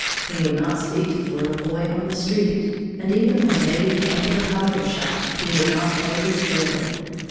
He would not speak to the little boy on the street, and even when David came to the cobbler shop he would not play his fiddle.